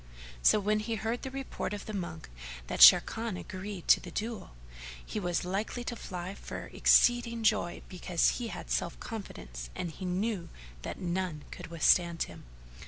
So when he heard the report of the monk that Sharrkan agreed to the duello, he was like to fly for exceeding joy because he had self confidence and he knew that none could with stand him.